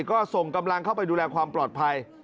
ก็ส่งกำลังเข้าไปดูแลความปลอดภัย